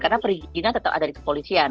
karena perizinan tetap ada di kepolisian